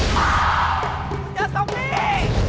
มันเป็นไงวะ